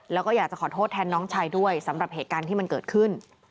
แล้วก็อยากจะขอโทษแทนน้องชายด้วยสำหรับเหตุการณ์ที่มันเกิดขึ้น